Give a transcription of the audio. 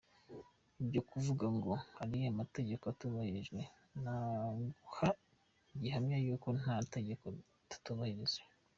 Ibyo kuvuga ngo hari amategeko atubahirijwe naguha gihamya y’uko nta tegeko tutubahirije.